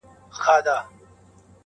• خو بس دا ستا تصوير به كور وران كړو.